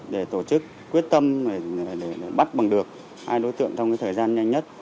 để tổ chức quyết tâm để bắt bằng được hai đối tượng trong thời gian nhanh nhất